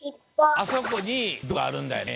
あそこに毒があるんだよね。